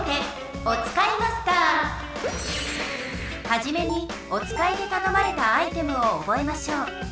はじめにおつかいでたのまれたアイテムを覚えましょう。